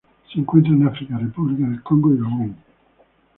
Se encuentran en África: República del Congo y Gabón.